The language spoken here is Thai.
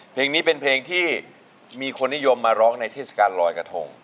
เพลงนี้เป็นเพลงที่มีคนนิยมมาร้องในเทศกาลลอยกระทง